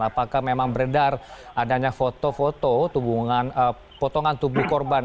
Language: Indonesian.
apakah memang beredar adanya foto foto potongan tubuh korban